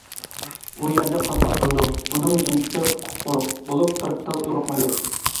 ئۇ يەردە قانداق قىلىدۇ؟ ئۇنىڭ يانچۇقى قۇپقۇرۇق بولۇپ، بىر تال ئۇرۇقمۇ يوق.